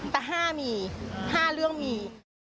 แต่๕มี๕เรื่องมี